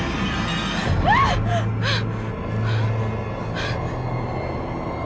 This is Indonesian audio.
dia berpukul ke mirip